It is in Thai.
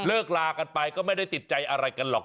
ลากันไปก็ไม่ได้ติดใจอะไรกันหรอก